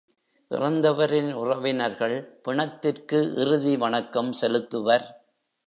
இறந்தவரின் உறவினர்கள், பிணத்திற்கு இறுதி வணக்கம் செலுத்துவர்.